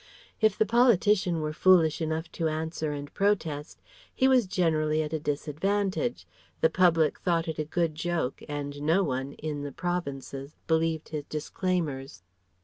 If the politician were foolish enough to answer and protest, he was generally at a disadvantage; the public thought it a good joke and no one (in the provinces) believed his disclaimers.